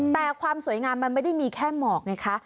แต่ความสวยงามมันไม่ได้มีแค่หมอกไงคะ